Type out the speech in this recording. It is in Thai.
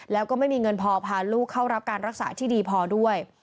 แล้วก็ไม่มีเงินพอพาลูกเข้ารับการรักษาที่ดีพอด้วย